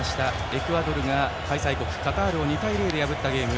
エクアドルが開催国カタールを２対０で破ったゲーム。